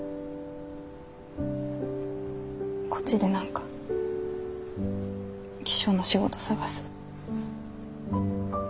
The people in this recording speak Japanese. こっちで何か気象の仕事探す。